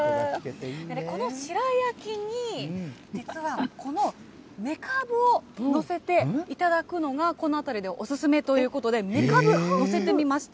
この白焼きに、実は、このめかぶを載せて頂くのが、このあたりでお勧めということで、めかぶ、載せてみました。